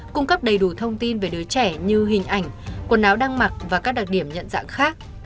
cung cấp đầy đủ thông tin về đứa trẻ như hình ảnh quần áo đang mặc và các đặc điểm nhận dạng khác